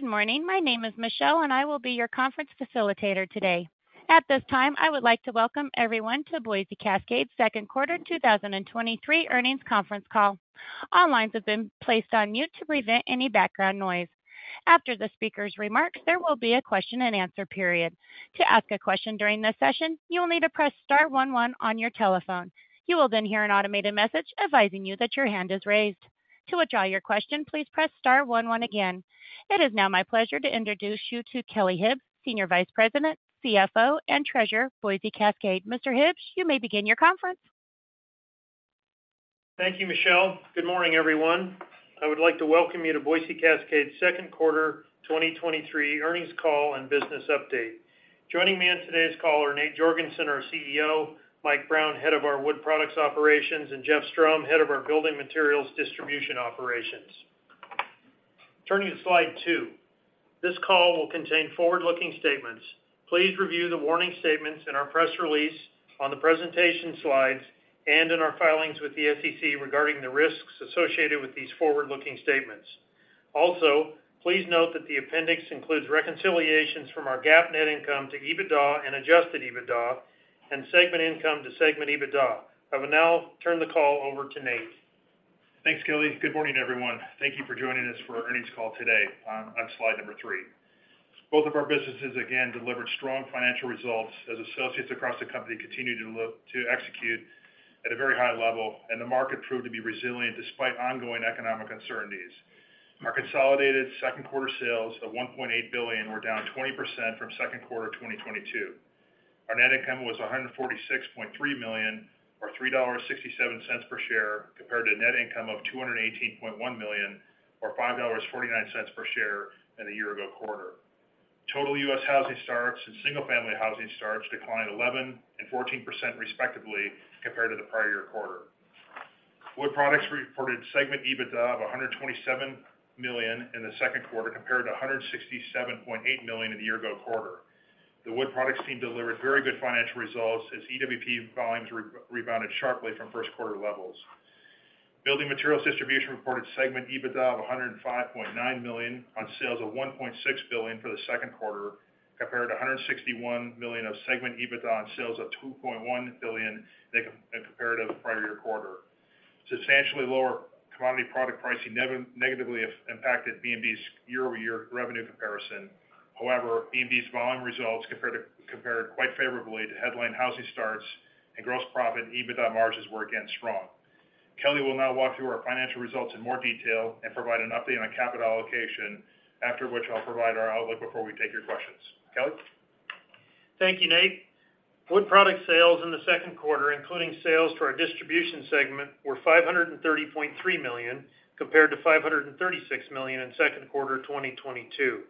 Good morning. My name is Michelle, and I will be your conference facilitator today. At this time, I would like to welcome everyone to Boise Cascade Second Quarter 2023 Earnings Conference Call. All lines have been placed on mute to prevent any background noise. After the speaker's remarks, there will be a question-and-answer period. To ask a question during this session, you will need to press star one one on your telephone. You will hear an automated message advising you that your hand is raised. To withdraw your question, please press star one one again. It is now my pleasure to introduce you to Kelly Hibbs, Senior Vice President, CFO, and Treasurer, Boise Cascade. Mr. Hibbs, you may begin your conference. Thank you, Michelle. Good morning, everyone. I would like to welcome you to Boise Cascade Second Quarter 2023 Earnings Call and Business Update. Joining me on today's call are Nate Jorgensen, our CEO; Mike Brown, Head of our Wood Products Operations; and Jeff Strom, Head of our Building Materials Distribution Operations. Turning to slide two. This call will contain forward-looking statements. Please review the warning statements in our press release, on the presentation slides, and in our filings with the SEC regarding the risks associated with these forward-looking statements. Please note that the appendix includes reconciliations from our GAAP net income to EBITDA and adjusted EBITDA and segment income to segment EBITDA. I will now turn the call over to Nate. Thanks, Kelly. Good morning, everyone. Thank you for joining us for our earnings call today. On slide number three. Both of our businesses again delivered strong financial results as associates across the company continued to look to execute at a very high level and the market proved to be resilient despite ongoing economic uncertainties. Our consolidated second quarter sales of $1.8 billion were down 20% from second quarter 2022. Our net income was $146.3 million or $3.67 per share compared to net income of $218.1 million or $5.49 per share than a year-ago quarter. Total U.S. housing starts and single-family housing starts declined 11% and 14% respectively compared to the prior-year quarter. Wood products reported segment EBITDA of $127 million in the second quarter compared to $167.8 million in the year-ago quarter. The wood products team delivered very good financial results as EWP volumes rebounded sharply from first quarter levels. Building materials distribution reported segment EBITDA of $105.9 million on sales of $1.6 billion for the second quarter compared to $161 million of segment EBITDA on sales of $2.1 billion in comparative prior-year quarter. Substantially lower commodity product pricing negatively impacted BMD's year-over-year revenue comparison. However, BMD's volume results compared quite favorably to headline housing starts and gross profit, EBITDA margins were again strong. Kelly will now walk through our financial results in more detail and provide an update on capital allocation, after which I'll provide our outlook before we take your questions. Kelly? Thank you, Nate. Wood products sales in the second quarter, including sales to our distribution segment were $530.3 million compared to $536 million in second quarter 2022.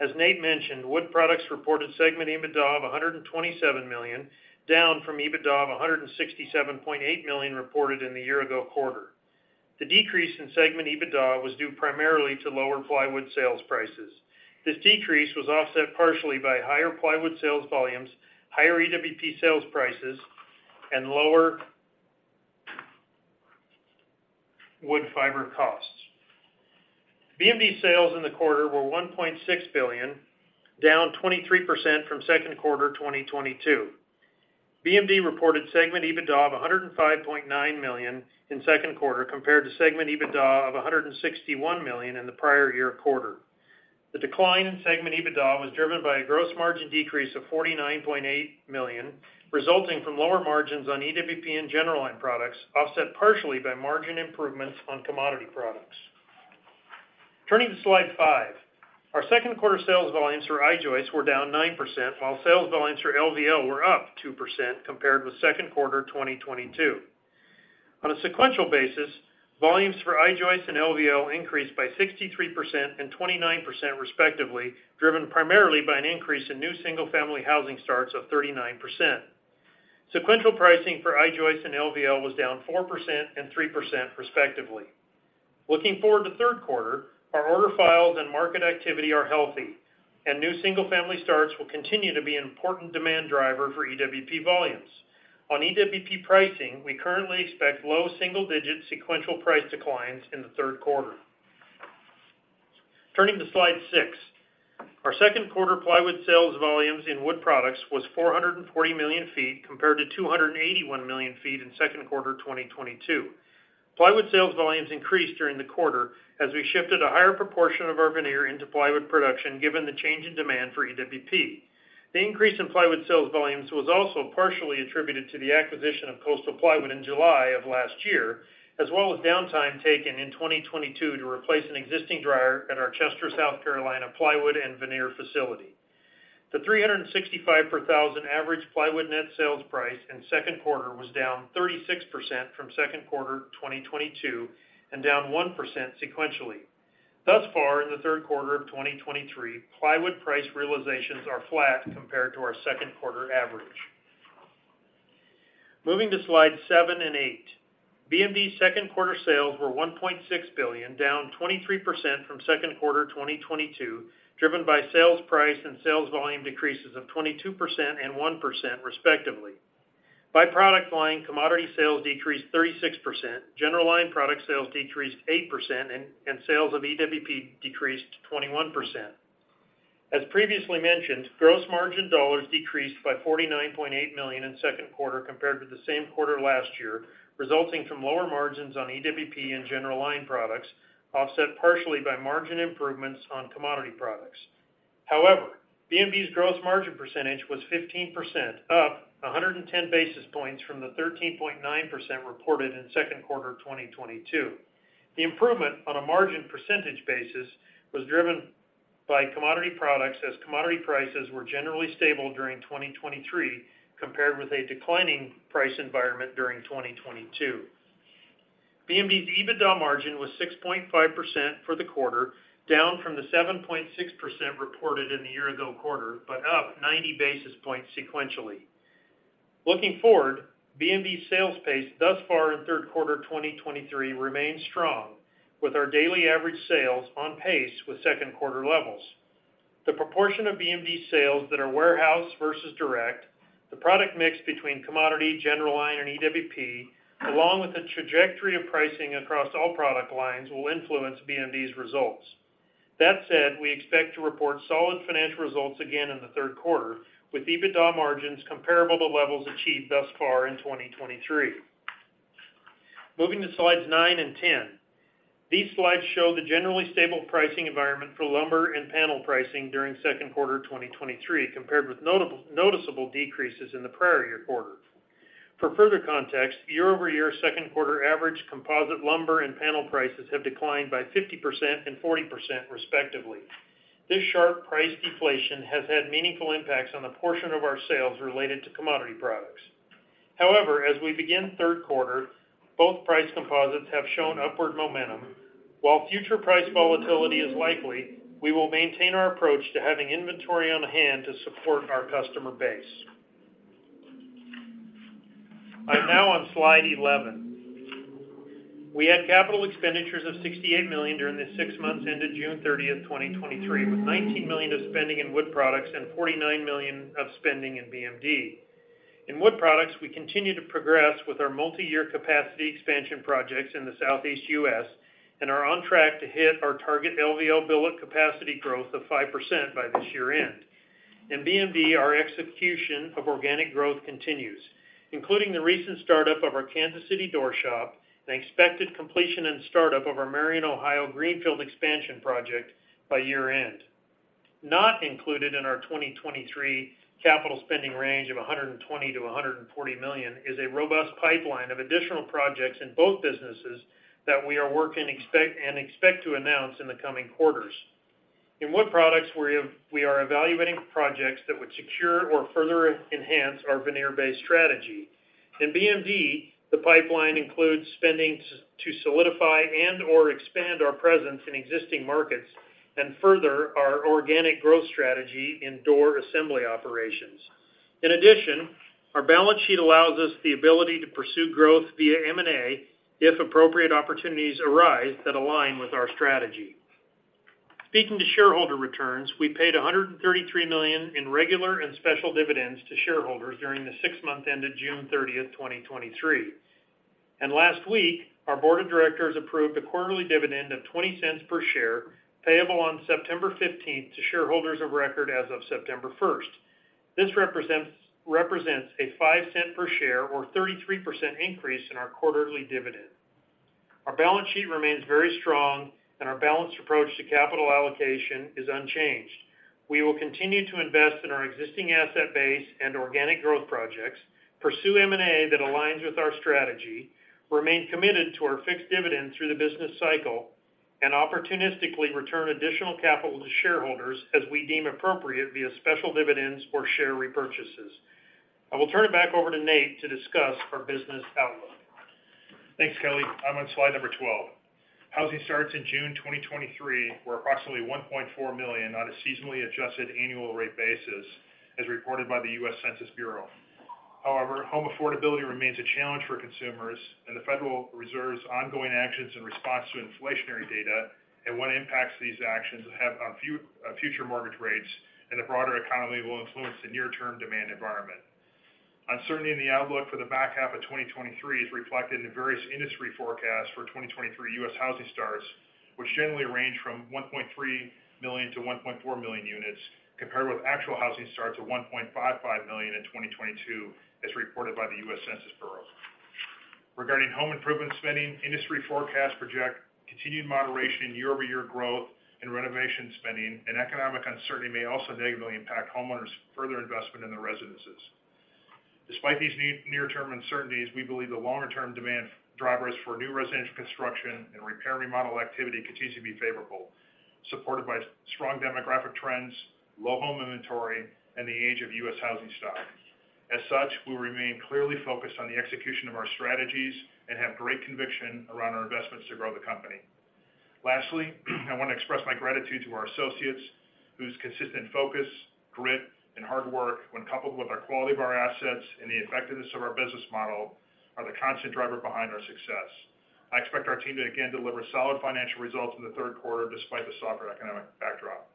As Nate mentioned, wood products reported segment EBITDA of $127 million, down from EBITDA of $167.8 million reported in the year-ago quarter. The decrease in segment EBITDA was due primarily to lower plywood sales prices. This decrease was offset partially by higher plywood sales volumes, higher EWP sales prices, and lower wood fiber costs. BMD sales in the quarter were $1.6 billion down 23% from second quarter 2022. BMD reported segment EBITDA of $105.9 million in second quarter compared to segment EBITDA of $161 million in the prior-year quarter. The decline in segment EBITDA was driven by a gross margin decrease of $49.8 million, resulting from lower margins on EWP and general line products, offset partially by margin improvements on commodity products. Turning to slide five. Our second quarter sales volumes for I-joist were down 9%, while sales volumes for LVL were up 2% compared with second quarter 2022. On a sequential basis, volumes for I-joist and LVL increased by 63% and 29%, respectively, driven primarily by an increase in new single-family housing starts of 39%. Sequential pricing for I-joist and LVL was down 4% and 3%, respectively. Looking forward to the third quarter, our order files and market activity are healthy, new single-family starts will continue to be an important demand driver for EWP volumes. On EWP pricing, we currently expect low single-digit sequential price declines in the third quarter. Turning to slide six. Our second quarter plywood sales volumes in wood products was 440 million feet compared to 281 million feet in second quarter 2022. Plywood sales volumes increased during the quarter as we shifted a higher proportion of our veneer into plywood production, given the change in demand for EWP. The increase in plywood sales volumes was also partially attributed to the acquisition of Coastal Plywood in July of last year, as well as downtime taken in 2022 to replace an existing dryer at our Chester, South Carolina, plywood and veneer facility. The $365 per thousand average plywood net sales price in second quarter was down 36% from second quarter 2022 and down 1% sequentially. Thus far, in the third quarter of 2023, plywood price realizations are flat compared to our second quarter average. Moving to slides seven and eight. BMD's second quarter sales were $1.6 billion down 23% from second quarter 2022, driven by sales price and sales volume decreases of 22% and 1%, respectively. By product line, commodity sales decreased 36%, general line product sales decreased 8%, and sales of EWP decreased 21%. As previously mentioned, gross margin dollars decreased by $49.8 million in second quarter compared with the same quarter last year, resulting from lower margins on EWP and general line products, offset partially by margin improvements on commodity products. However, BMD's gross margin percentage was 15% up 110 basis points from the 13.9% reported in second quarter 2022. The improvement on a margin percentage basis was driven by commodity products, as commodity prices were generally stable during 2023 compared with a declining price environment during 2022. BMD's EBITDA margin was 6.5% for the quarter, down from the 7.6% reported in the year-ago quarter, but up 90 basis points sequentially. Looking forward, BMD's sales pace thus far in third quarter 2023 remains strong, with our daily average sales on pace with second quarter levels. The proportion of BMD sales that are warehouse versus direct, the product mix between commodity, general line, and EWP, along with the trajectory of pricing across all product lines, will influence BMD's results. That said, we expect to report solid financial results again in the third quarter, with EBITDA margins comparable to levels achieved thus far in 2023. Moving to slides nine and 10. These slides show the generally stable pricing environment for lumber and panel pricing during second quarter 2023, compared with noticeable decreases in the prior-year quarter. For further context, year-over-year second quarter average composite lumber and panel prices have declined by 50% and 40%, respectively. This sharp price deflation has had meaningful impacts on the portion of our sales related to commodity products. However, as we begin third quarter, both price composites have shown upward momentum. While future price volatility is likely, we will maintain our approach to having inventory on hand to support our customer base. I'm now on slide 11. We had capital expenditures of $68 million during the six months ended June 30th, 2023, with $19 million of spending in wood products and $49 million of spending in BMD. In wood products, we continue to progress with our multi-year capacity expansion projects in the Southeast US, and are on track to hit our target LVL billet capacity growth of 5% by this year-end. In BMD, our execution of organic growth continues, including the recent startup of our Kansas City door shop and expected completion and startup of our Marion, Ohio, Greenfield expansion project by year-end. Not included in our 2023 capital spending range of $120 million-$140 million, is a robust pipeline of additional projects in both businesses that we are working and expect to announce in the coming quarters. In wood products, we are evaluating projects that would secure or further enhance our veneer-based strategy. In BMD, the pipeline includes spending to solidify and/or expand our presence in existing markets and further our organic growth strategy in door assembly operations. In addition, our balance sheet allows us the ability to pursue growth via M&A, if appropriate opportunities arise that align with our strategy. Speaking to shareholder returns, we paid $133 million in regular and special dividends to shareholders during the six month ended June 30th, 2023. Last week, our board of directors approved a quarterly dividend of $0.20 per share, payable on September 15th to shareholders of record as of September 1st. This represents, represents a $0.05 per share or 33% increase in our quarterly dividend. Our balance sheet remains very strong and our balanced approach to capital allocation is unchanged. We will continue to invest in our existing asset base and organic growth projects, pursue M&A that aligns with our strategy, remain committed to our fixed dividend through the business cycle, and opportunistically return additional capital to shareholders as we deem appropriate via special dividends or share repurchases. I will turn it back over to Nate to discuss our business outlook. Thanks, Kelly. I'm on slide number 12. Housing starts in June 2023 were approximately $1.4 million on a seasonally adjusted annual rate basis, as reported by the U.S. Census Bureau. However, home affordability remains a challenge for consumers, and the Federal Reserve's ongoing actions in response to inflationary data and what impacts these actions have on future mortgage rates and the broader economy will influence the near-term demand environment. Uncertainty in the outlook for the back half of 2023 is reflected in the various industry forecasts for 2023 U.S. housing starts, which generally range from $1.3 million-$1.4 million units, compared with actual housing starts of $1.55 million in 2022, as reported by the U.S. Census Bureau. Regarding home improvement spending, industry forecasts project continued moderation in year-over-year growth and renovation spending. Economic uncertainty may also negatively impact homeowners' further investment in their residences. Despite these near-term uncertainties, we believe the longer-term demand drivers for new residential construction and repair remodel activity continues to be favorable, supported by strong demographic trends, low home inventory, and the age of U.S. housing stock. As such, we'll remain clearly focused on the execution of our strategies and have great conviction around our investments to grow the company. Lastly, I want to express my gratitude to our associates, whose consistent focus, grit, and hard work, when coupled with our quality of our assets and the effectiveness of our business model, are the constant driver behind our success. I expect our team to again deliver solid financial results in the third quarter despite the softer economic backdrop.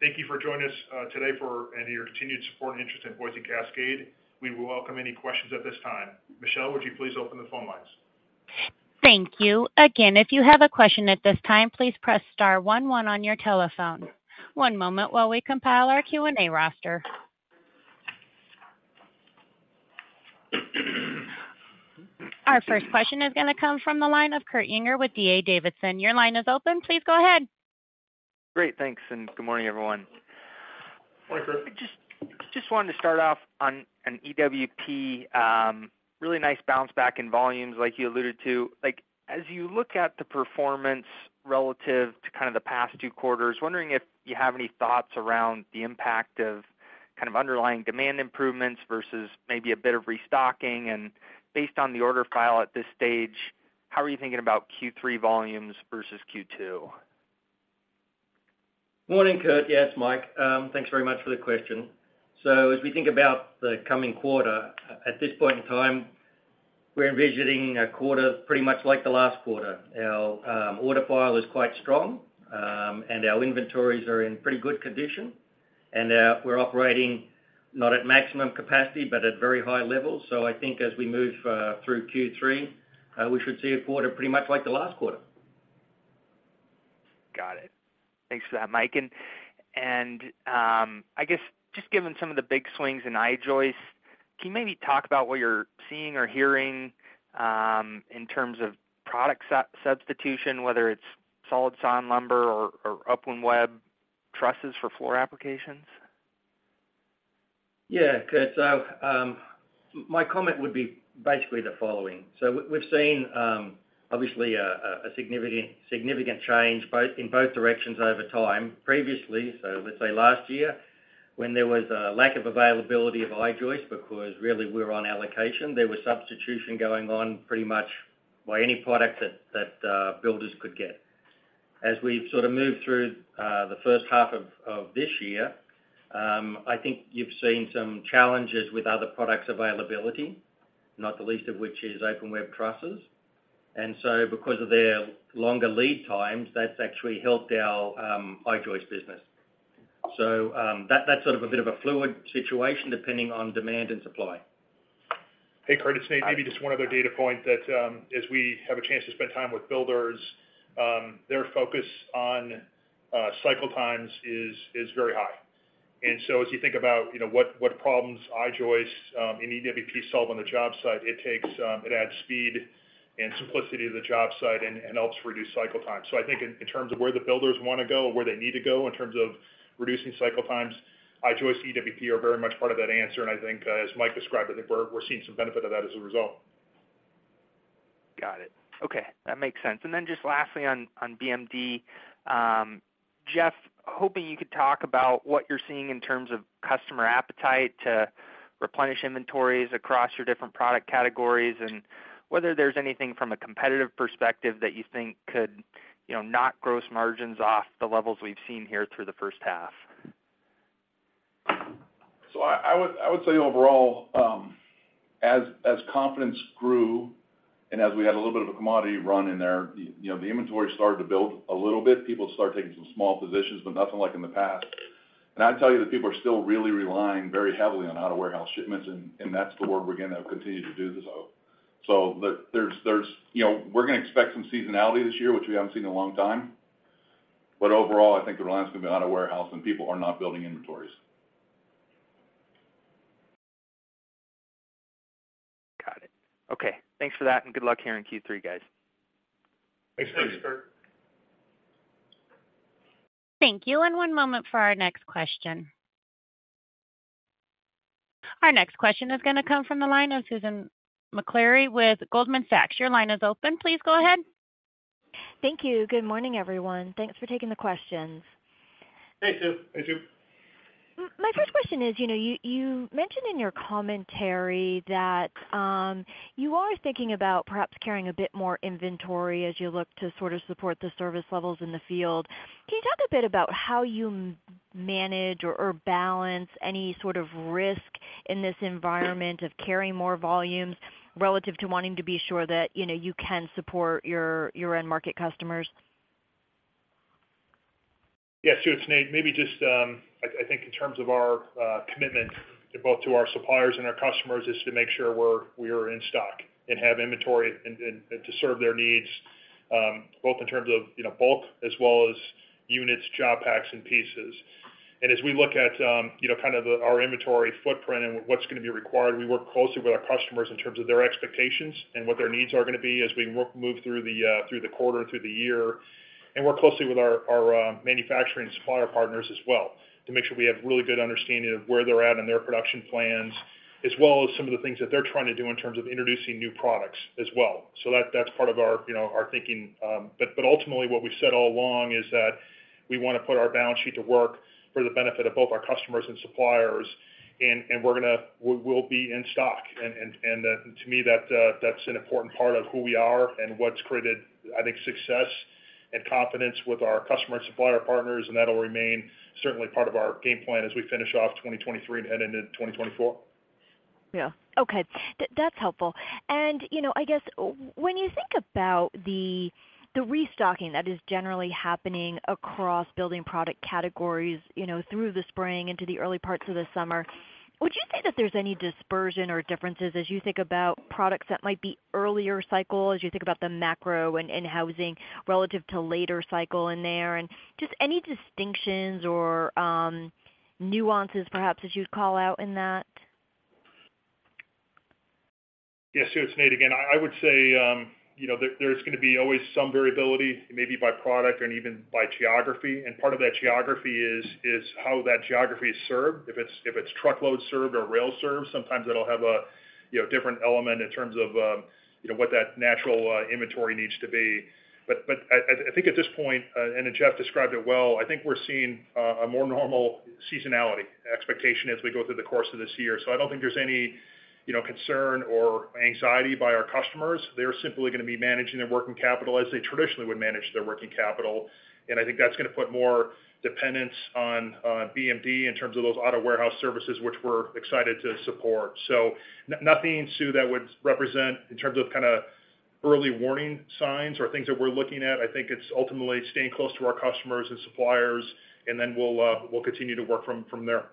Thank you for joining us today, for and your continued support and interest in Boise Cascade. We will welcome any questions at this time. Michelle, would you please open the phone lines? Thank you. Again, if you have a question at this time, please press star one, one on your telephone. One moment while we compile our Q&A roster. Our first question is going to come from the line of Kurt Yinger with D.A. Davidson. Your line is open. Please go ahead. Great. Thanks, and good morning, everyone. Morning, Kurt. Just, just wanted to start off on an EWP, really nice bounce back in volumes like you alluded to. Like, as you look at the performance relative to kind of the past two quarters, wondering if you have any thoughts around the impact of kind of underlying demand improvements versus maybe a bit of restocking? Based on the order file at this stage, how are you thinking about Q3 volumes versus Q2? Morning, Kurt. Yes, Mike, thanks very much for the question. As we think about the coming quarter, at this point in time, we're envisaging a quarter pretty much like the last quarter. Our order file is quite strong, and our inventories are in pretty good condition, and we're operating not at maximum capacity, but at very high levels. I think as we move through Q3, we should see a quarter pretty much like the last quarter. Got it. Thanks for that, Mike. I guess, just given some of the big swings in I-joist, can you maybe talk about what you're seeing or hearing, in terms of product sub-substitution, whether it's solid sawn lumber or, or open web trusses for floor applications? Yeah, Kurt. My comment would be basically the following: we've seen obviously a significant, significant change both in both directions over time. Previously, let's say last year, when there was a lack of availability of I-joist because really we were on allocation, there was substitution going on pretty much by any product that builders could get. As we've sort of moved through the first half of this year, I think you've seen some challenges with other products availability, not the least of which is open web trusses. Because of their longer lead times, that's actually helped our I-joist business. That's sort of a bit of a fluid situation, depending on demand and supply. Hey, Kurt, it's Nate. Maybe just one other data point that, as we have a chance to spend time with builders, their focus on cycle times is very high. As you think about, you know, what, what problems I-joist and EWP solve on the job site, it takes, it adds speed and simplicity to the job site and helps reduce cycle time. I think in, in terms of where the builders want to go, where they need to go in terms of reducing cycle times, I-joist, EWP are very much part of that answer. I think, as Mike described, I think we're seeing some benefit of that as a result. Got it. Okay, that makes sense. Then just lastly on, on BMD, Jeff, hoping you could talk about what you're seeing in terms of customer appetite to replenish inventories across your different product categories, and whether there's anything from a competitive perspective that you think could, you know, knock gross margins off the levels we've seen here through the first half. I, I would, I would say overall, as, as confidence grew and as we had a little bit of a commodity run in there, you know, the inventory started to build a little bit. People started taking some small positions, but nothing like in the past. I'd tell you that people are still really relying very heavily on out-of-warehouse shipments, and, and that's the work we're going to continue to do this out. There's, you know, we're going to expect some seasonality this year, which we haven't seen in a long time. Overall, I think the reliance is going to be out of warehouse, and people are not building inventories. Got it. Okay, thanks for that, and good luck here in Q3, guys. Thanks, Kurt. Thank you. One moment for our next question. Our next question is going to come from the line of Susan Maklari with Goldman Sachs. Your line is open. Please go ahead. Thank you. Good morning, everyone. Thanks for taking the questions. Hey, Sue. Hey, Sue. My first question is, you know, you, you mentioned in your commentary that you are thinking about perhaps carrying a bit more inventory as you look to sort of support the service levels in the field. Can you talk a bit about how you manage or balance any sort of risk in this environment of carrying more volumes relative to wanting to be sure that, you know, you can support your, your end-market customers? Yeah, Sue, it's Nate. Maybe just, I, I think in terms of our commitment to both to our suppliers and our customers, is to make sure we are in stock and have inventory and to serve their needs, both in terms of, you know, bulk as well as units, job packs, and pieces. As we look at, you know, kind of the, our inventory footprint and what's going to be required, we work closely with our customers in terms of their expectations and what their needs are going to be as we move through the quarter and through the year. Work closely with our, our manufacturing supplier partners as well, to make sure we have really good understanding of where they're at in their production plans, as well as some of the things that they're trying to do in terms of introducing new products as well. That, that's part of our, you know, our thinking. But ultimately, what we've said all along is that we want to put our balance sheet to work for the benefit of both our customers and suppliers, and, and we will be in stock. And, and, to me, that's an important part of who we are and what's created, I think, success and confidence with our customer and supplier partners, and that'll remain certainly part of our game plan as we finish off 2023 and head into 2024. Yeah. Okay, that's helpful. You know, I guess, when you think about the restocking that is generally happening across building product categories, you know, through the spring into the early parts of the summer, would you say that there's any dispersion or differences as you think about products that might be earlier cycle, as you think about the macro in housing relative to later cycle in there? Just any distinctions or nuances perhaps that you'd call out in that? Yes, Susan, it's Nate again. I, I would say, you know, there, there's gonna be always some variability, maybe by product and even by geography. Part of that geography is, is how that geography is served. If it's, if it's truckload served or rail served, sometimes it'll have a, you know, different element in terms of, you know, what that natural inventory needs to be. But, but I, I think at this point, and Jeff described it well, I think we're seeing a more normal seasonality expectation as we go through the course of this year. I don't think there's any, you know, concern or anxiety by our customers. They're simply gonna be managing their working capital as they traditionally would manage their working capital. I think that's gonna put more dependence on BMD in terms of those auto warehouse services, which we're excited to support. Nothing, Sue, that would represent in terms of kind of early warning signs or things that we're looking at. I think it's ultimately staying close to our customers and suppliers, and then we'll continue to work from there.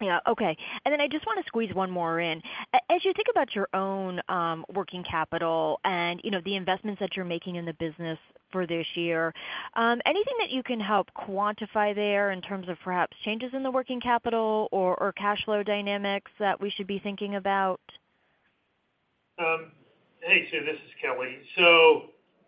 Yeah. Okay. Then I just wanna squeeze one more in. As you think about your own working capital and, you know, the investments that you're making in the business for this year, anything that you can help quantify there in terms of perhaps changes in the working capital or, or cash flow dynamics that we should be thinking about? Hey, Sue, this is Kelly.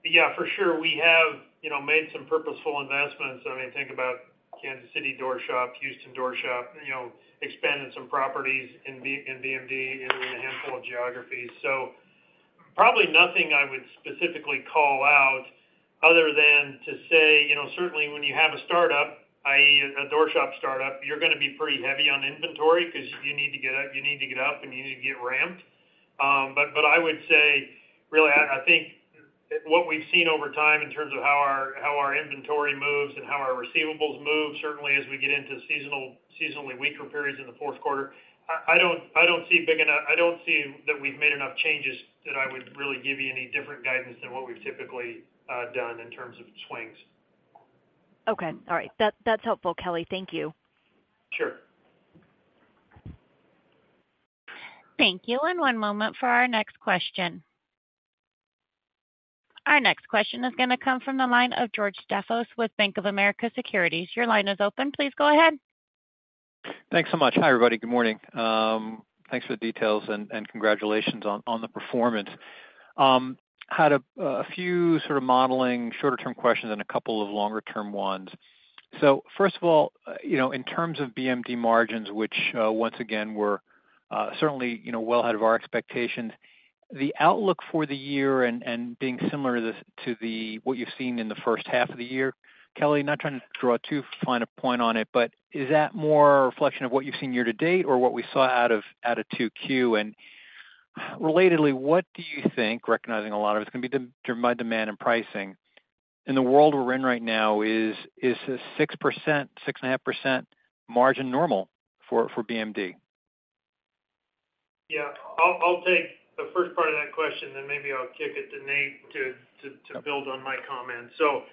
Yeah, for sure, we have, you know, made some purposeful investments. I mean, think about Kansas City door shop, Houston door shop, you know, expanding some properties in BMD in a handful of geographies. Probably nothing I would specifically call out other than to say, you know, certainly when you have a startup, i.e., a door shop startup, you're gonna be pretty heavy on inventory because you need to get up, you need to get up and you need to get ramped. But I would say, really, I, I think what we've seen over time in terms of how our, how our inventory moves and how our receivables move, certainly as we get into seasonal- seasonally weaker periods in the fourth quarter, I, I don't, I don't see big enough-- I don't see that we've made enough changes that I would really give you any different guidance than what we've typically done in terms of swings. Okay. All right. That, that's helpful, Kelly. Thank you. Sure. Thank you, and one moment for our next question. Our next question is gonna come from the line of George Staphos with Bank of America Securities. Your line is open. Please go ahead. Thanks so much. Hi, everybody. Good morning. Thanks for the details and, and congratulations on, on the performance. Had a, a few sort of modeling, shorter term questions and a couple of longer term ones. First of all, you know, in terms of BMD margins, which once again, were certainly, you know, well ahead of our expectations, the outlook for the year and, and being similar to the, to the-- what you've seen in the first half of the year, Kelly, not trying to draw too fine a point on it, but is that more a reflection of what you've seen year to date or what we saw out of, out of 2Q? Relatedly, what do you think, recognizing a lot of it's gonna be driven by demand and pricing, in the world we're in right now, is a 6%, 6.5% margin normal for BMD? Yeah. I'll take the first part of that question, then maybe I'll kick it to Nate to build on my comment. So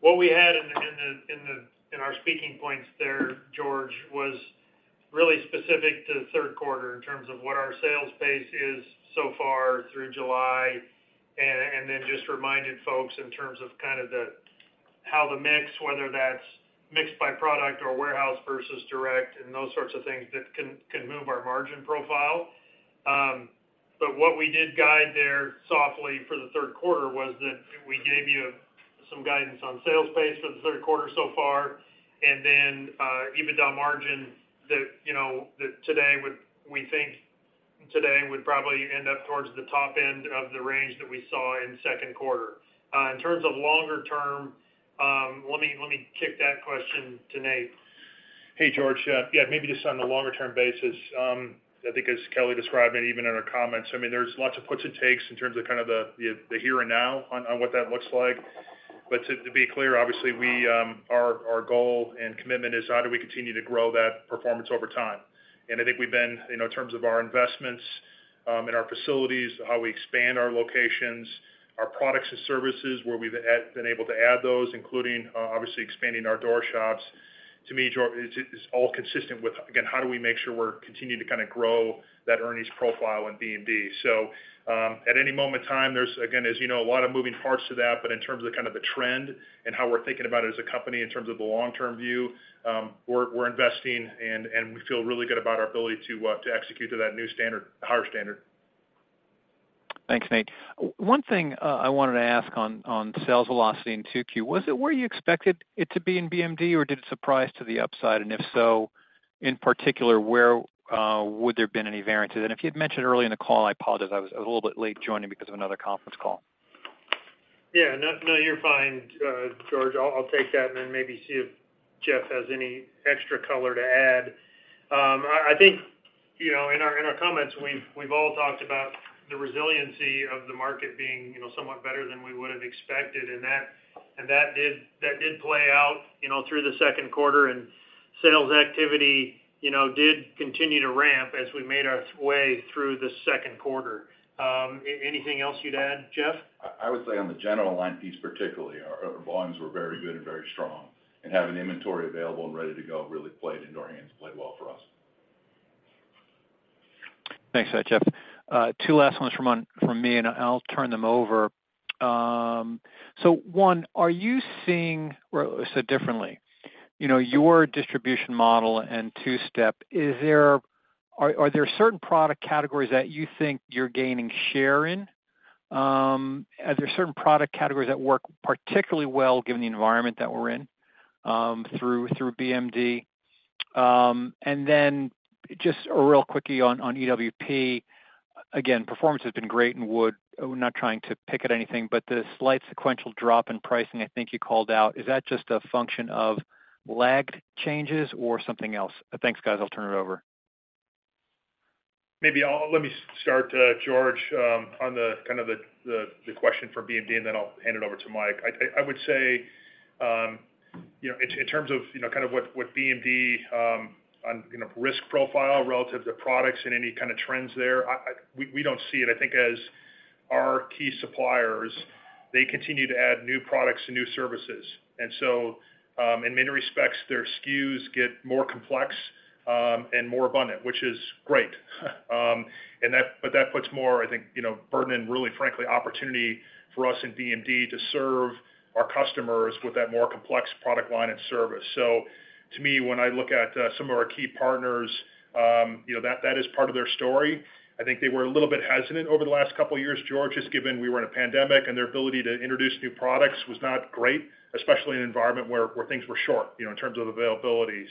what we had in our speaking points there, George, was really specific to the third quarter in terms of what our sales pace is so far through July, and then just reminded folks in terms of kind of the, how the mix, whether that's mixed by product or warehouse versus direct, and those sorts of things that can move our margin profile. What we did guide there softly for the third quarter was that we gave you some guidance on sales pace for the third quarter so far, and then, EBITDA margin that, you know, that today we think today would probably end up towards the top end of the range that we saw in second quarter. In terms of longer term, let me, let me kick that question to Nate. Hey, George. Yeah, maybe just on the longer term basis. I think as Kelly described, and even in our comments, I mean, there's lots of puts and takes in terms of kind of the, the, the here and now on, on what that looks like. To, to be clear, obviously, we, our, our goal and commitment is how do we continue to grow that performance over time. I think we've been, you know, in terms of our investments, in our facilities, how we expand our locations, our products and services, where we've been able to add those, including, obviously expanding our door shops, to me, George, it's, it's all consistent with, again, how do we make sure we're continuing to kind of grow that earnings profile in BMD. At any moment in time, there's, again, as you know, a lot of moving parts to that, but in terms of kind of the trend and how we're thinking about it as a company in terms of the long-term view, we're, we're investing and, and we feel really good about our ability to execute to that new standard, higher standard. Thanks, Nate. One thing, I wanted to ask on, on sales velocity in 2Q, was it where you expected it to be in BMD, or did it surprise to the upside? If so, in particular, where, would there have been any variances? If you'd mentioned earlier in the call, I apologize. I was a little bit late joining because of another conference call. Yeah, no, no, you're fine, George. I'll, I'll take that and then maybe see if Jeff has any extra color to add. I, I think, you know, in our, in our comments, we've, we've all talked about the resiliency of the market being, you know, somewhat better than we would have expected, and that, and that did, that did play out, you know, through the second quarter. Sales activity, you know, did continue to ramp as we made our way through the second quarter. Anything else you'd add, Jeff? I, I would say on the general line piece, particularly, our, our volumes were very good and very strong, and having the inventory available and ready to go really played into our hands, played well for us. Thanks for that, Jeff. Two last ones from me, I'll turn them over. One, Well, said differently, you know, your distribution model and two-step, are there certain product categories that you think you're gaining share in? Are there certain product categories that work particularly well given the environment that we're in, through BMD? Then just a real quickie on EWP. Again, performance has been great in Wood. We're not trying to pick at anything, the slight sequential drop in pricing, I think you called out, is that just a function of lagged changes or something else? Thanks, guys. I'll turn it over. Maybe I'll-- Let me start, George, on the kind of the, the, the question for BMD, and then I'll hand it over to Mike. I, I, I would say, you know, in, in terms of, you know, kind of what, what BMD, on, you know, risk profile relative to products and any kind of trends there, I, I, we, we don't see it. I think as our key suppliers, they continue to add new products and new services. So, in many respects, their SKUs get more complex, and more abundant, which is great. But that puts more, I think, you know, burden and really, frankly, opportunity for us in BMD to serve our customers with that more complex product line and service. To me, when I look at some of our key partners, you know, that, that is part of their story. I think they were a little bit hesitant over the last couple of years, George, just given we were in a pandemic, and their ability to introduce new products was not great, especially in an environment where, where things were short, you know, in terms of availability.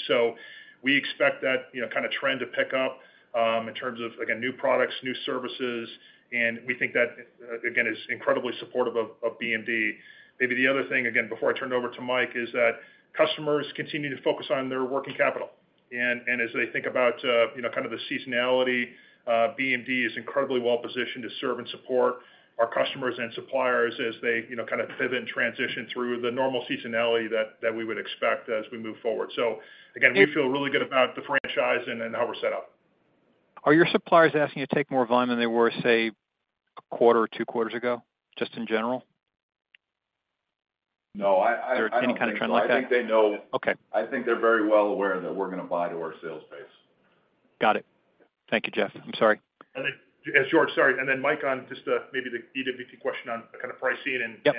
We expect that, you know, kind of trend to pick up in terms of, again, new products, new services, and we think that, again, is incredibly supportive of BMD. Maybe the other thing, again, before I turn it over to Mike, is that customers continue to focus on their working capital. As they think about, you know, kind of the seasonality, BMD is incredibly well positioned to serve and support our customers and suppliers as they, you know, kind of pivot and transition through the normal seasonality that we would expect as we move forward. Again, we feel really good about the franchise and, and how we're set up. Are your suppliers asking you to take more volume than they were, say, a quarter or 2 quarters ago, just in general? No, I, I, I don't think so. Any kind of trend like that? I think they know. Okay. I think they're very well aware that we're going to buy to our sales base. Got it. Thank you, Jeff. I'm sorry. I think, yeah, George, sorry. Then, Mike, on just maybe the EWP question on kind of pricing and- Yep.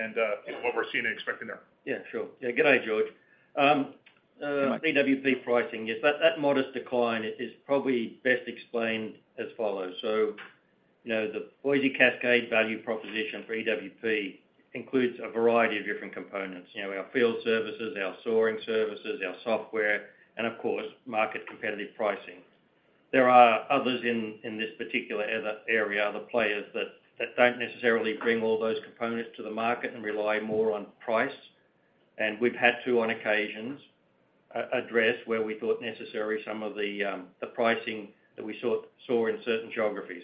what we're seeing and expecting there. Yeah, sure. Yeah, good day, George. Hi. EWP pricing, yes, that, that modest decline is probably best explained as follows: You know, the Boise Cascade value proposition for EWP includes a variety of different components. You know, our field services, our sourcing services, our software, and of course, market competitive pricing. There are others in, in this particular area, other players that, that don't necessarily bring all those components to the market and rely more on price. We've had to, on occasions, address where we thought necessary, some of the pricing that we saw, saw in certain geographies.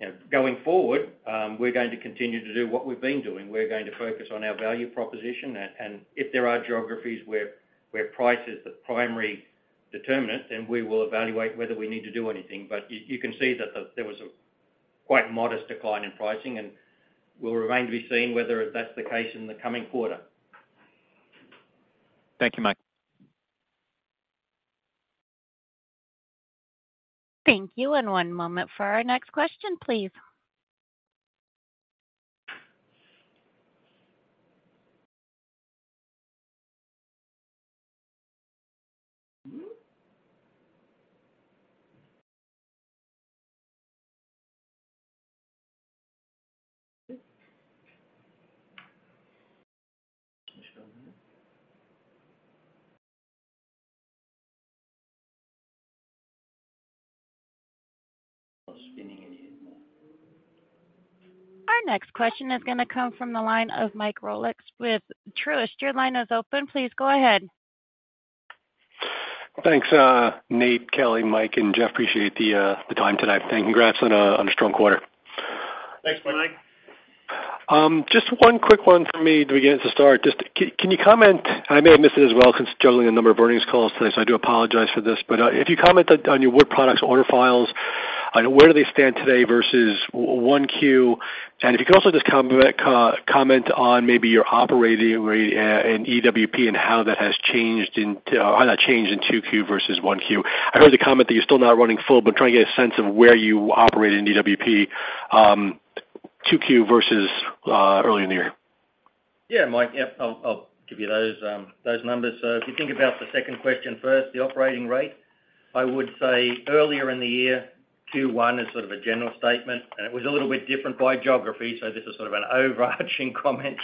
You know, going forward, we're going to continue to do what we've been doing. We're going to focus on our value proposition, and if there are geographies where price is the primary determinant, then we will evaluate whether we need to do anything. You, you can see that there was a quite modest decline in pricing, and will remain to be seen whether that's the case in the coming quarter. Thank you, Mike. Thank you, and one moment for our next question, please. Our next question is gonna come from the line of Mike Roxland with Truist. Your line is open. Please go ahead. Thanks, Nate, Kelly, Mike, and Jeff, appreciate the time tonight, and congrats on a strong quarter. Thanks, Mike. Just one quick one for me to begin to start. Just can you comment. I may have missed it as well, because juggling a number of earnings calls today, so I do apologize for this. If you comment on your wood products order files, where do they stand today versus 1Q? If you could also just comment, comment on maybe your operating rate in EWP and how that changed in 2Q versus 1Q. I heard the comment that you're still not running full, but trying to get a sense of where you operate in EWP, 2Q versus earlier in the year. Yeah, Mike. Yep, I'll, I'll give you those, those numbers. If you think about the second question first, the operating rate, I would say earlier in the year, Q1 is sort of a general statement, and it was a little bit different by geography, this is sort of an overarching comment.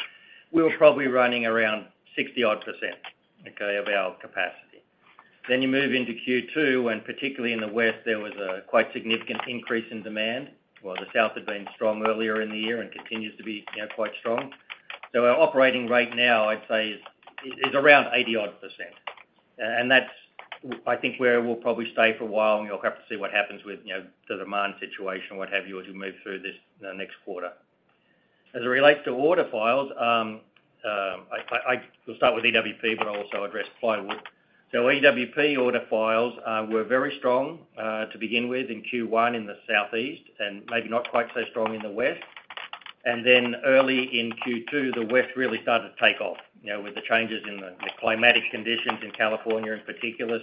We were probably running around 60% odd, okay, of our capacity. You move into Q2, and particularly in the West, there was a quite significant increase in demand, while the South had been strong earlier in the year and continues to be, you know, quite strong. Our operating rate now, I'd say, is, is around 80% odd. That's, I think, where we'll probably stay for a while, and we'll have to see what happens with, you know, the demand situation, what have you, as we move through this, you know, next quarter. As it relates to order files, I, we'll start with EWP, but I'll also address plywood. EWP order files were very strong to begin with in Q1 in the Southeast, and maybe not quite so strong in the West. Then early in Q2, the West really started to take off, you know, with the changes in the climatic conditions in California in particular.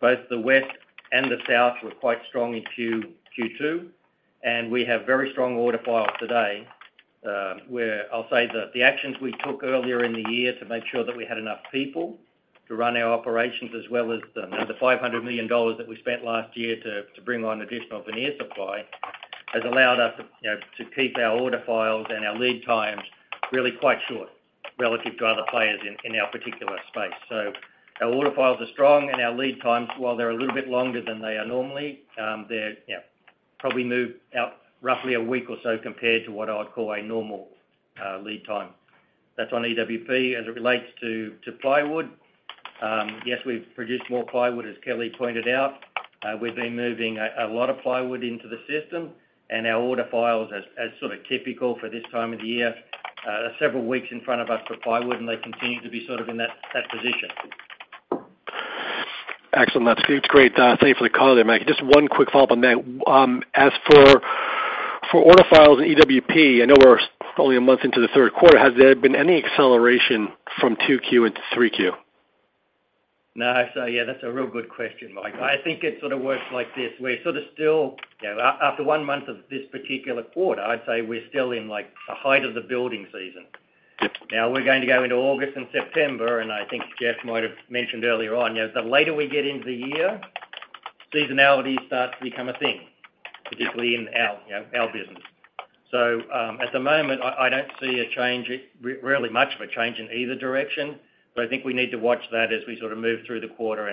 Both the West and the South were quite strong in Q2, and we have very strong order files today, where I'll say that the actions we took earlier in the year to make sure that we had enough people to run our operations, as well as the $500 million that we spent last year to bring on additional veneer supply, has allowed us to, you know, to keep our order files and our lead times really quite short relative to other players in our particular space. Our order files are strong, and our lead times, while they're a little bit longer than they are normally, they're, yeah, probably moved out roughly a week or so compared to what I'd call a normal lead time. That's on EWP. As it relates to, to plywood, yes, we've produced more plywood, as Kelly pointed out. We've been moving a lot of plywood into the system, and our order files as, as sort of typical for this time of the year, are several weeks in front of us for plywood, and they continue to be sort of in that, that position. Excellent. That's, it's great. Thank you for the call there, Mike. Just one quick follow-up on that. As for, for order files and EWP, I know we're only a month into the third quarter, has there been any acceleration from 2Q into 3Q? No. Yeah, that's a real good question, Mike. I think it sort of works like this: We're sort of still, you know, after one month of this particular quarter, I'd say we're still in, like, the height of the building season. Yep. We're going to go into August and September. I think Jeff might have mentioned earlier on, you know, the later we get into the year, seasonality starts to become a thing, particularly in our, you know, our business. At the moment, I, I don't see a change, really much of a change in either direction, but I think we need to watch that as we sort of move through the quarter.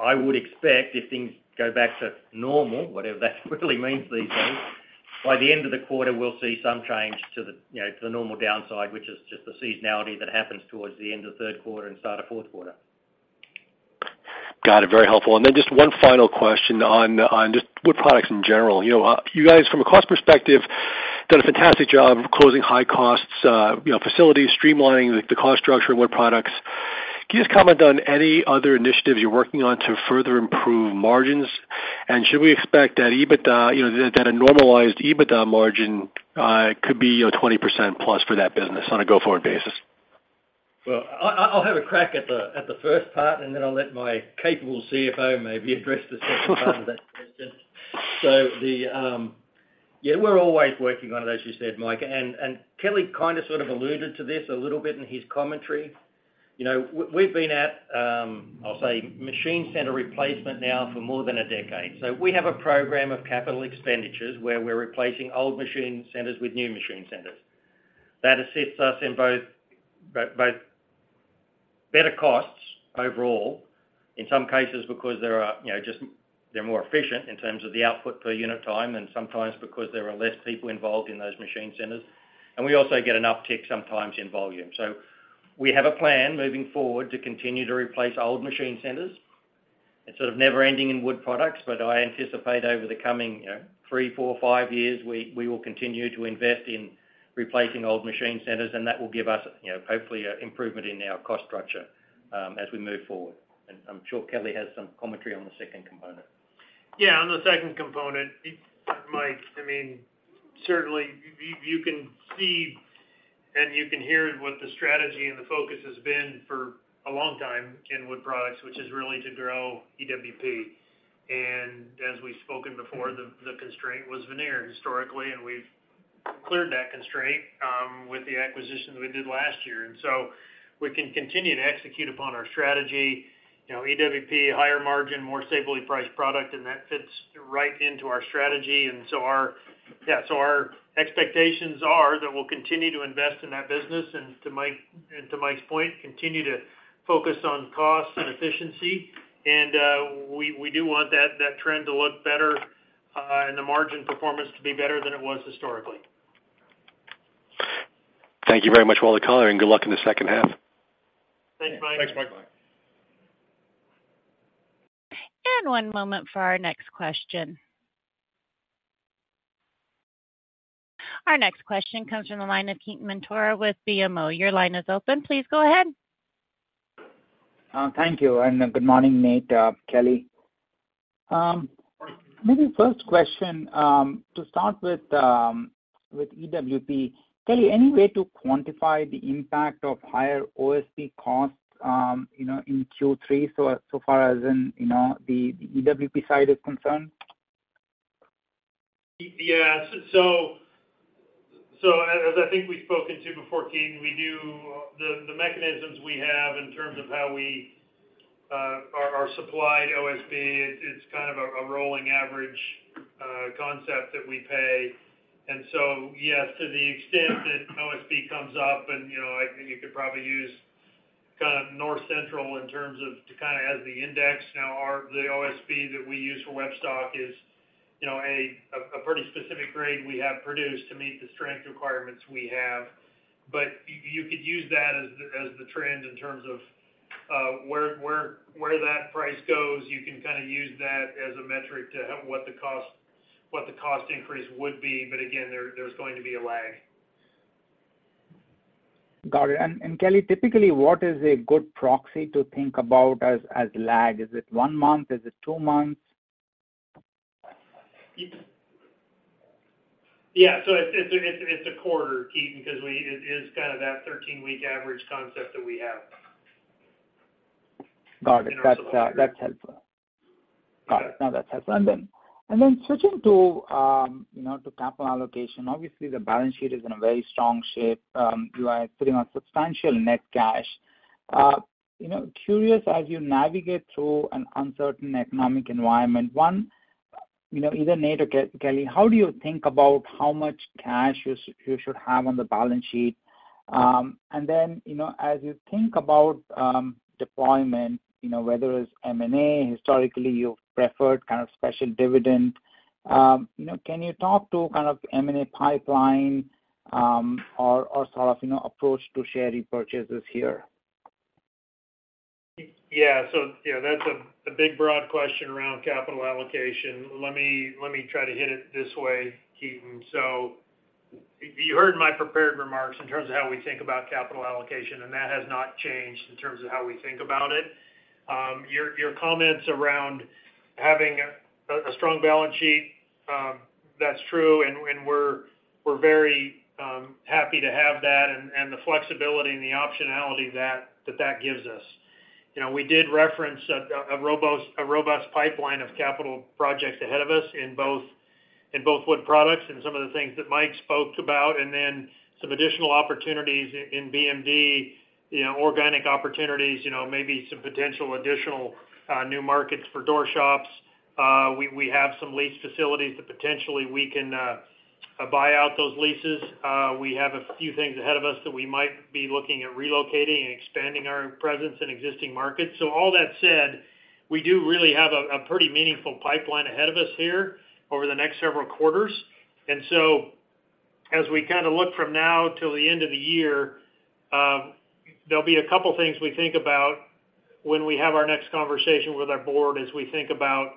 I would expect if things go back to normal, whatever that quickly means these days, by the end of the quarter, we'll see some change to the, you know, to the normal downside, which is just the seasonality that happens towards the end of the third quarter and start of fourth quarter. Got it. Very helpful. Then just one final question on, on just wood products in general. You know, you guys, from a cost perspective, done a fantastic job of closing high costs, you know, facilities, streamlining the, the cost structure of wood products. Can you just comment on any other initiatives you're working on to further improve margins? Should we expect that EBITDA, you know, that a normalized EBITDA margin, could be, you know, 20% plus for that business on a go-forward basis? Well, I'll have a crack at the first part, and then I'll let my capable CFO maybe address the second part of that question. Yeah, we're always working on it, as you said, Mike, and Kelly kind of, sort of alluded to this a little bit in his commentary. You know, we've been at, I'll say, machine center replacement now for more than a decade. We have a program of capital expenditures where we're replacing old machine centers with new machine centers. That assists us in both better costs overall, in some cases, because there are, you know, just they're more efficient in terms of the output per unit time, and sometimes because there are less people involved in those machine centers. We also get an uptick sometimes in volume. We have a plan moving forward to continue to replace old machine centers. It's sort of never ending in wood products, but I anticipate over the coming, you know, three, four, five years, we, we will continue to invest in replacing old machine centers, and that will give us, you know, hopefully, an improvement in our cost structure as we move forward. And I'm sure Kelly has some commentary on the second component. Yeah, on the second component, Mike, I mean, certainly, you, you, you can see and you can hear what the strategy and the focus has been for a long time in wood products, which is really to grow EWP. As we've spoken before, the, the constraint was veneer historically, and we've cleared that constraint with the acquisitions we did last year. So we can continue to execute upon our strategy. You know, EWP, higher margin, more stably priced product, and that fits right into our strategy. Our expectations are that we'll continue to invest in that business, and to Mike, and to Mike's point, continue to focus on cost and efficiency. We, we do want that, that trend to look better and the margin performance to be better than it was historically. Thank you very much for all the color. Good luck in the second half. Thanks, Mike. Thanks, Mike, bye. One moment for our next question. Our next question comes from the line of Ketan Mamtora with BMO. Your line is open. Please go ahead. Thank you. Good morning, Nate, Kelly. Maybe first question, to start with, with EWP. Kelly, any way to quantify the impact of higher OSB costs, you know, in Q3, so, so far as in, you know, the EWP side is concerned? Yes. As I think we've spoken to before, Ketan, we do. The mechanisms we have in terms of how we, our supplied OSB, it's kind of a rolling average concept that we pay. Yes, to the extent that OSB comes up and, you know, I think you could probably use kind of North Central in terms of to kind of as the index. Now, our the OSB that we use for web stock is, you know, a pretty specific grade we have produced to meet the strength requirements we have. You could use that as the trend in terms of, where that price goes, you can kind of use that as a metric to what the cost increase would be. Again, there, there's going to be a lag. Got it. And Kelly, typically, what is a good proxy to think about as, as lag? Is it one month? Is it two months? Yeah, it's, it's, it's a quarter, Ketan, because it is kind of that 13-week average concept that we have. Got it. That's that's helpful. Got it. No, that's helpful. Switching to, you know, to capital allocation. Obviously, the balance sheet is in a very strong shape. You are sitting on substantial net cash. You know, curious as you navigate through an uncertain economic environment, one, you know, either Nate or Kelly, how do you think about how much cash you should have on the balance sheet? You know, as you think about deployment, you know, whether it's M&A, historically, you've preferred kind of special dividend, you know, can you talk to kind of M&A pipeline, or, or sort of, you know, approach to share repurchases here? You know, that's a, a big broad question around capital allocation. Let me, let me try to hit it this way, Ketan. You heard my prepared remarks in terms of how we think about capital allocation, and that has not changed in terms of how we think about it. Your, your comments around having a, a strong balance sheet, that's true, and, and we're, we're very happy to have that and, and the flexibility and the optionality that, that that gives us. You know, we did reference a, a, a robust, a robust pipeline of capital projects ahead of us in both, in both wood products and some of the things that Mike spoke about, and then some additional opportunities in BMD, you know, organic opportunities, you know, maybe some potential additional new markets for door shops. We, we have some lease facilities that potentially we can buy out those leases. We have a few things ahead of us that we might be looking at relocating and expanding our presence in existing markets. All that said, we do really have a, a pretty meaningful pipeline ahead of us here over the next several quarters. As we kind of look from now till the end of the year, there'll be a couple things we think about when we have our next conversation with our board, as we think about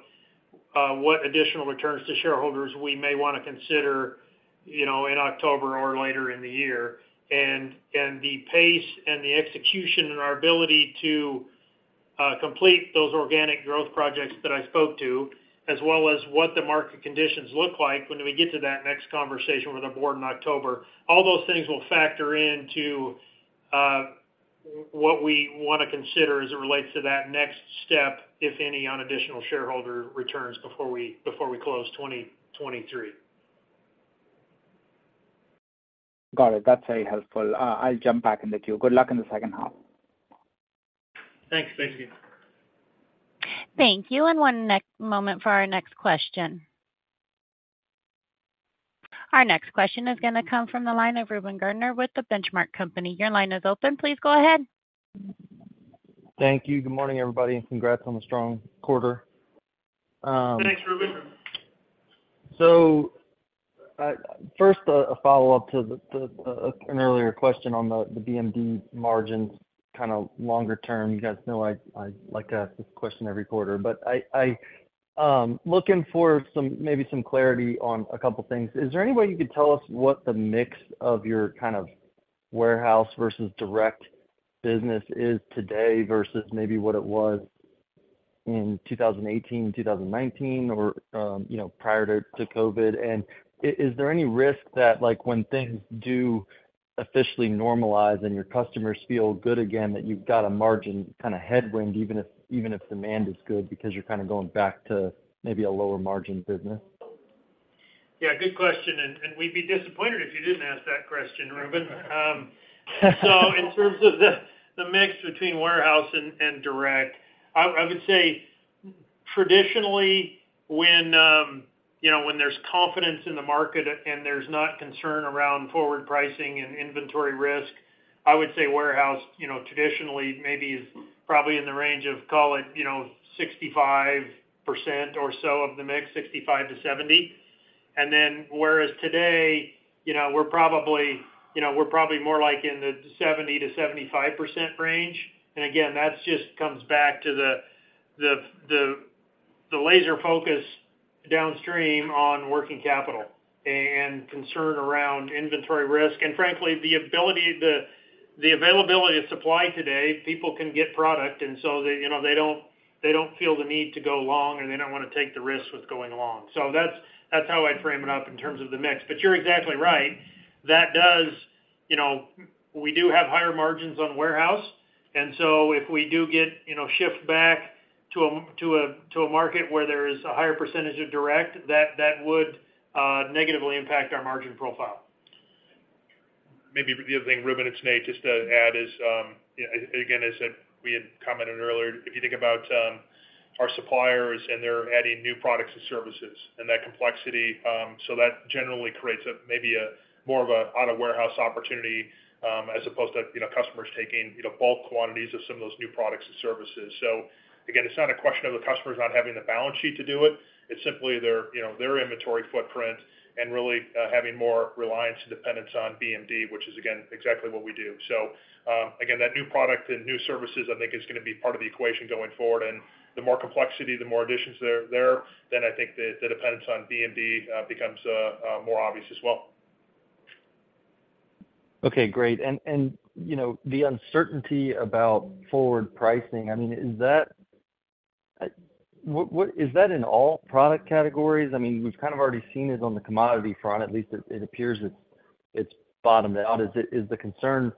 what additional returns to shareholders we may want to consider, you know, in October or later in the year. The pace and the execution and our ability to complete those organic growth projects that I spoke to, as well as what the market conditions look like when we get to that next conversation with our board in October, all those things will factor into what we want to consider as it relates to that next step, if any, on additional shareholder returns before we, before we close 2023. Got it. That's very helpful. I'll jump back in the queue. Good luck in the second half. Thanks. Thanks, Ketan. Thank you. One moment for our next question. Our next question is going to come from the line of Reuben Garner with The Benchmark Company. Your line is open. Please go ahead. Thank you. Good morning, everybody. Congrats on the strong quarter. Thanks, Reuben. First, a follow-up to the, the, an earlier question on the, the BMD margins, kind of longer term. You guys know I, I like to ask this question every quarter, but I, I, looking for maybe some clarity on a couple things. Is there any way you could tell us what the mix of your kind of warehouse versus direct business is today versus maybe what it was in 2018, 2019, or, you know, prior to, to COVID? And is there any risk that like when things do officially normalize and your customers feel good again, that you've got a margin kind of headwind, even if, even if demand is good because you're kind of going back to maybe a lower margin business? Yeah, good question, and we'd be disappointed if you didn't ask that question, Reuben. In terms of the mix between warehouse and direct, I would say traditionally, when, you know, when there's confidence in the market and there's not concern around forward pricing and inventory risk, I would say warehouse, you know, traditionally, maybe is probably in the range of, call it, you know, 65% or so of the mix, 65%-70%. Whereas today, you know, we're probably, you know, we're probably more like in the 70%-75% range. Again, that just comes back to the laser focus downstream on working capital and concern around inventory risk. Frankly, the ability, the availability of supply today, people can get product, and so they, you know, they don't, they don't feel the need to go long, and they don't want to take the risk with going long. That's, that's how I'd frame it up in terms of the mix. You're exactly right. That does, you know, we do have higher margins on warehouse, and so if we do get, you know, shift back to a, to a, to a market where there is a higher percentage of direct, that, that would negatively impact our margin profile. Maybe the other thing, Reuben, it's Nate, just to add is, again, as we had commented earlier, if you think about our suppliers, and they're adding new products and services and that complexity, so that generally creates a, maybe a more of a auto warehouse opportunity, as opposed to, you know, customers taking, you know, bulk quantities of some of those new products and services. Again, it's not a question of the customers not having the balance sheet to do it. It's simply their, you know, their inventory footprint and really, having more reliance and dependence on BMD, which is again, exactly what we do. Again, that new product and new services, I think is going to be part of the equation going forward. The more complexity, the more additions there, then I think the dependence on BMD becomes more obvious as well. Okay, great. You know, the uncertainty about forward pricing, I mean, is that in all product categories? I mean, we've kind of already seen it on the commodity front. At least it, it appears it's, it's bottomed out. Is the, is the concern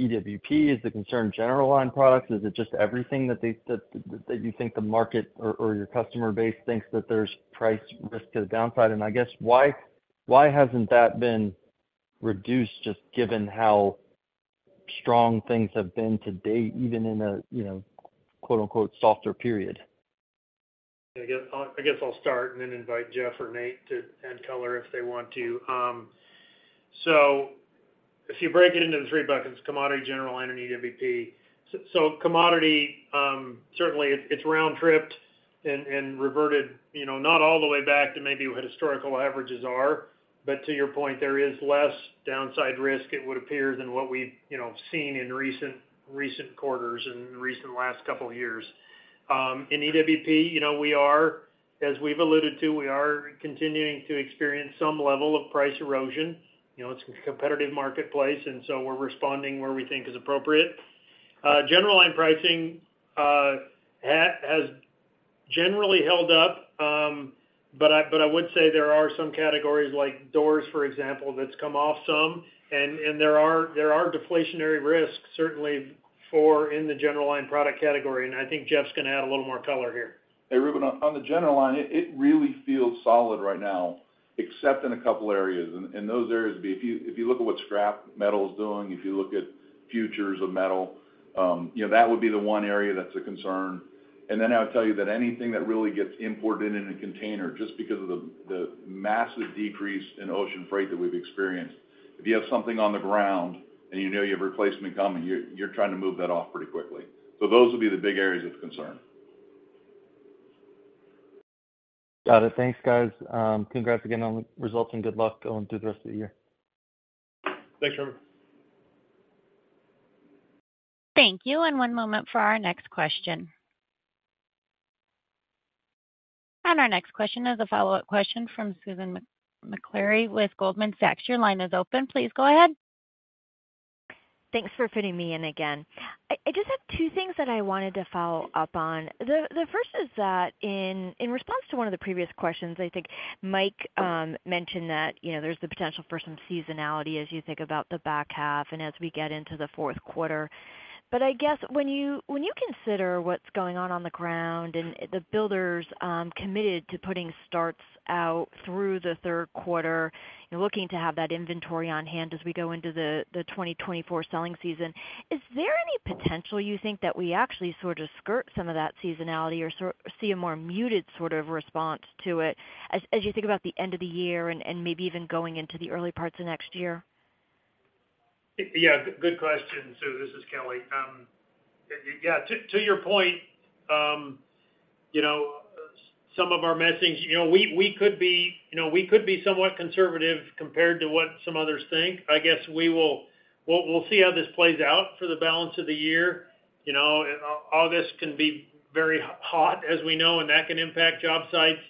EWP? Is the concern general line products? Is it just everything that you think the market or, or your customer base thinks that there's price risk to the downside? I guess, why, why hasn't that been reduced, just given how strong things have been to date, even in a, you know, quote, unquote, "softer period? I guess, I, I guess I'll start and then invite Jeff or Nate to add color if they want to. If you break it into the three buckets, commodity, general line, and EWP. Commodity, certainly it's, it's round-tripped and, and reverted, you know, not all the way back to maybe what historical averages are. To your point, there is less downside risk, it would appear, than what we've, you know, seen in recent, recent quarters and recent last couple of years. In EWP, you know, we are, as we've alluded to, we are continuing to experience some level of price erosion. You know, it's a competitive marketplace, and so we're responding where we think is appropriate. General line pricing has, has generally held up, I would say there are some categories like doors, for example, that's come off some, there are, there are deflationary risks, certainly, for in the general line product category. I think Jeff's gonna add a little more color here. Hey, Reuben, on, on the general line, it, it really feels solid right now, except in a couple areas. Those areas would be if you, if you look at what scrap metal is doing, if you look at futures of metal, you know, that would be the one area that's a concern. I would tell you that anything that really gets imported in a container, just because of the, the massive decrease in ocean freight that we've experienced, if you have something on the ground and you know you have replacement coming, you're, you're trying to move that off pretty quickly. Those would be the big areas of concern. Got it. Thanks, guys. Congrats again on the results and good luck going through the rest of the year. Thanks, Reuben. Thank you, and one moment for our next question. Our next question is a follow-up question from Susan Maklari with Goldman Sachs. Your line is open. Please go ahead. Thanks for fitting me in again. I, I just have two things that I wanted to follow up on. The, the first is that in, in response to one of the previous questions, I think Mike mentioned that, you know, there's the potential for some seasonality as you think about the back half and as we get into the fourth quarter. I guess when you, when you consider what's going on on the ground and the builders, committed to putting starts out through the third quarter and looking to have that inventory on hand as we go into the, the 2024 selling season, is there any potential you think that we actually sort of skirt some of that seasonality or sort of see a more muted sort of response to it as, as you think about the end of the year and, and maybe even going into the early parts of next year? Yeah, good question. This is Kelly. Yeah, to, to your point, you know, some of our messaging, you know, we, we could be, you know, we could be somewhat conservative compared to what some others think. I guess we'll, we'll see how this plays out for the balance of the year. You know, August can be very hot, as we know, and that can impact job sites.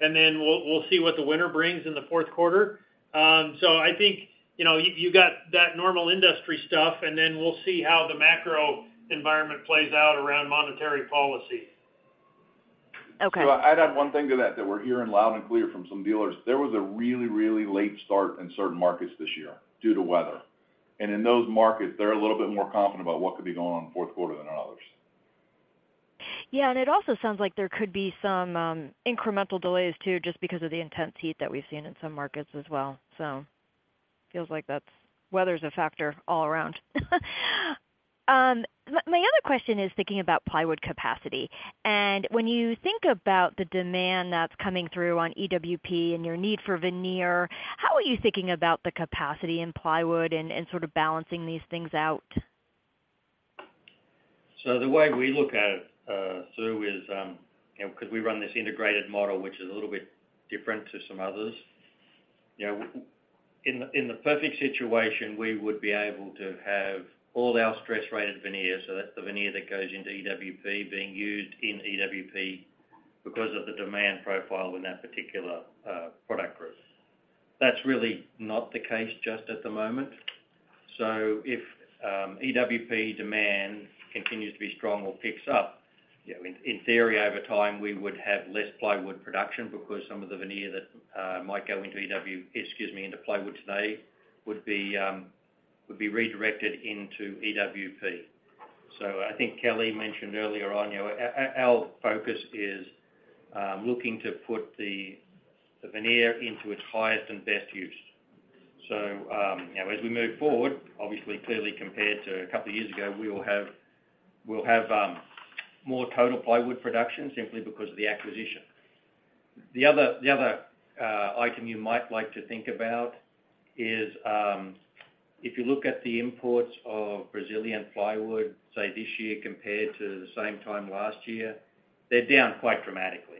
Then we'll, we'll see what the winter brings in the fourth quarter. I think, you know, you, you got that normal industry stuff, and then we'll see how the macro environment plays out around monetary policy. Okay. I'd add one thing to that, that we're hearing loud and clear from some dealers. There was a really, really late start in certain markets this year due to weather. In those markets, they're a little bit more confident about what could be going on in the fourth quarter than in others. Yeah, it also sounds like there could be some incremental delays, too, just because of the intense heat that we've seen in some markets as well. Feels like that's weather's a factor all around. My, my other question is thinking about plywood capacity. When you think about the demand that's coming through on EWP and your need for veneer, how are you thinking about the capacity in plywood and, and sort of balancing these things out? The way we look at it, Sue, is, you know, because we run this integrated model, which is a little bit different to some others, you know, in the, in the perfect situation, we would be able to have all our stress-rated veneers, so that's the veneer that goes into EWP, being used in EWP because of the demand profile in that particular product group. That's really not the case just at the moment. If EWP demand continues to be strong or picks up, you know, in, in theory, over time, we would have less plywood production because some of the veneer that might go into, excuse me, into plywood today would be redirected into EWP. I think Kelly mentioned earlier on, you know, our, our, our focus is looking to put the, the veneer into its highest and best use. You know, as we move forward, obviously, clearly compared to a couple of years ago, we will have, we'll have more total plywood production simply because of the acquisition. The other, the other item you might like to think about is, if you look at the imports of Brazilian plywood, say, this year compared to the same time last year, they're down quite dramatically.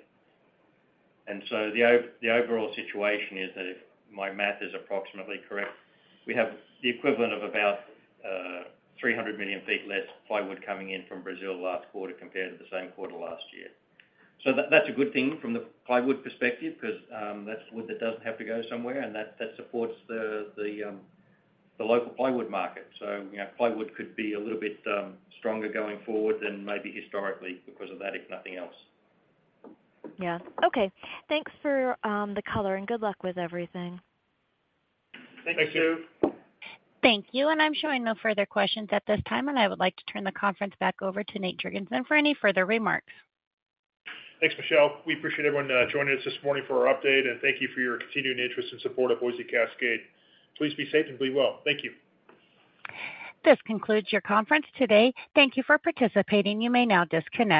The overall situation is that if my math is approximately correct, we have the equivalent of about 300 million feet less plywood coming in from Brazil last quarter compared to the same quarter last year. That, that's a good thing from the plywood perspective, because that's wood that doesn't have to go somewhere, and that, that supports the, the local plywood market. You know, plywood could be a little bit stronger going forward than maybe historically because of that, if nothing else. Yeah. Okay. Thanks for the color, and good luck with everything. Thank you. Thank you. I'm showing no further questions at this time, and I would like to turn the conference back over to Nate Jorgensen for any further remarks. Thanks, Michelle. We appreciate everyone, joining us this morning for our update. Thank you for your continuing interest and support of Boise Cascade. Please be safe and be well. Thank you. This concludes your conference today. Thank you for participating. You may now disconnect.